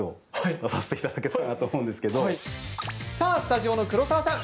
スタジオの黒沢さん！